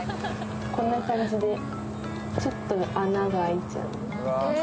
こんな感じでちょっと穴が開いちゃって。